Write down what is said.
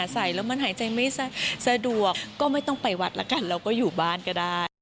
ใส่แล้วมันหายใจไม่สะดวกก็ไม่ต้องไปวัดละกันเราก็อยู่บ้านก็ได้